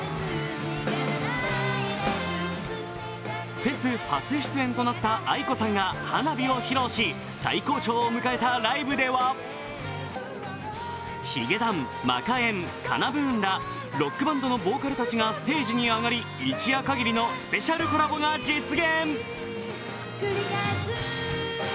フェス初出演となったａｉｋｏさんが「花火」を披露し最高潮を迎えたライブでは、ヒゲダン、マカえん、ＫＡＮＡ−ＢＯＯＮらロックバンドのボーカルたちがステージに上がり、一夜限りのスペシャルコラボが実現。